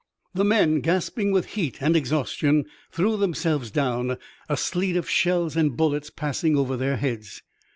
The men, gasping with heat and exhaustion, threw themselves down, a sleet of shells and bullets passing over their heads.